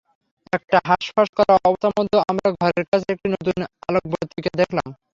একটা হাঁসফাঁস করা অবস্থার মধ্যে আমরা ঘরের কাছে একটি নতুন আলোকবর্তিকা দেখলাম।